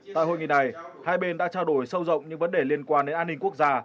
tại hội nghị này hai bên đã trao đổi sâu rộng những vấn đề liên quan đến an ninh quốc gia